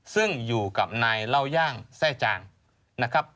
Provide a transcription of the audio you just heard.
ซึ่งอยู่กับนายเล่าย่างแทร่จางนะครับ